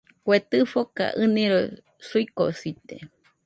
Kue tɨfoka ɨniroi suikosite